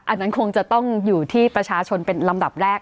อันนั้นคงจะต้องอยู่ที่ประชาชนเป็นลำดับแรก